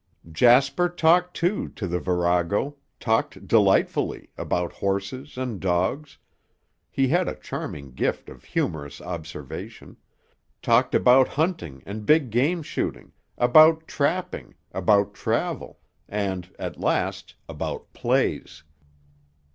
Jasper talked, too, to the virago, talked delightfully, about horses and dogs, he had a charming gift of humorous observation, talked about hunting and big game shooting, about trapping, about travel, and, at last, about plays.